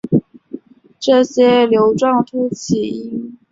这些瘤状突起因其与地面的接触面积小而有助于压实路面。